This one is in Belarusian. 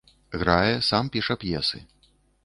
Грае, сам піша п'есы.